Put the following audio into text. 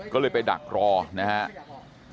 ก็เลยไปดักรอนะครับ